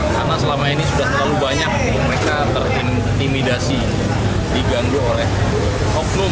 karena selama ini sudah terlalu banyak mereka terintimidasi diganggu oleh oknum